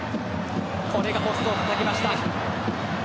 これがポストをたたきました。